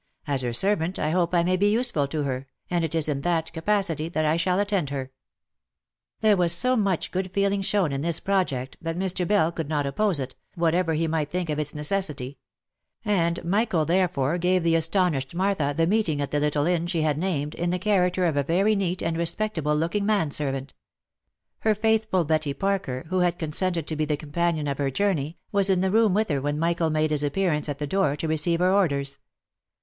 As her servant I hope I may be useful to her, and it is in that capacity that I shall attend her." There was so much good feeling shown in this project, that Mr. Bell could not oppose it, whatever he might think of its necessity ; and Michael, therefore, gave the astonished Martha the meeting at the little inn she had named, in the character of a very neat and respect able looking man servant. Her faithful Betty Parker, who had con sented to be the companion of her journey, was in the room with her •when Michael made his appearance at the door, to receive her orders.